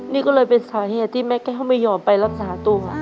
นี่ก็เลยเป็นสาเหตุที่แม่แก้วไม่ยอมไปรักษาตัว